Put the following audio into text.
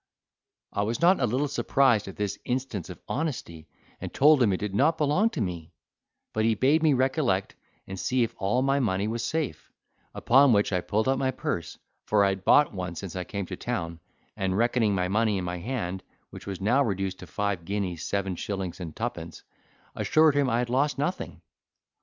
I was not a little surprised at this instance of honesty, and told him it did not belong to me; but he bade me recollect, and see if all my money was safe; upon which I pulled out my purse, for I had bought one since I came to town, and, reckoning my money in my hand, which was now reduced to five guineas seven shillings and twopence, assured him I had lost nothing.